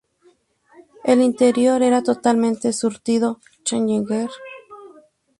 El interior era totalmente surtido Challenger.